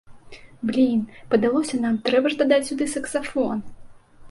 Блін, падалося нам, трэба ж дадаць сюды саксафон!